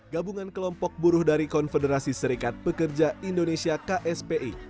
gabungan kelompok buruh dari konfederasi serikat pekerja indonesia kspi